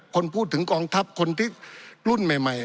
คนพูดถึงกองทัพคนที่รุ่นใหม่